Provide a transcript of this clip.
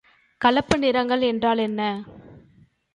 கலப்பு நிறங்கள் என்றால் என்ன?